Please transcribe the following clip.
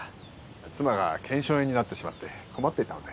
妻が腱鞘炎になってしまって困っていたんで。